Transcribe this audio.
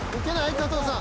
加藤さん。